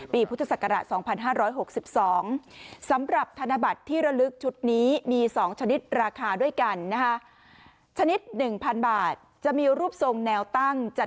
ปีพุทธศักราชสองพันห้าร้อยหกสิบสอง